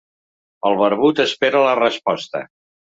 El barbut espera la resposta.